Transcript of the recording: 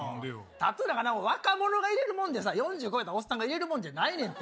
タトゥーなんて若者が入れるもんでさ、４０超えたおっさんが入れるもんじゃないねんて。